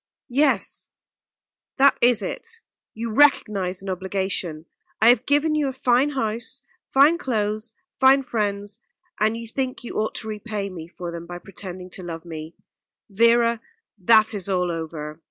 "Yes, that is it you recognise an obligation. I have given you a fine house, fine clothes, fine friends and you think you ought to repay me for them by pretending to love me. Vera, that is all over.